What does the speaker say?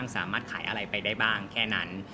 สามารถขายอะไรไปได้บ้างแค่นั้น